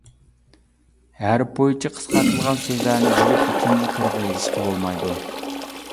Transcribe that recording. ھەرپ بويىچە قىسقارتىلغان سۆزلەرنى بۆلۈپ ئىككىنچى قۇرغا يېزىشقا بولمايدۇ.